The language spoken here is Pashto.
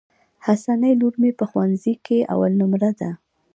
حسنی لور مي په ښوونځي کي اول نمبر ده.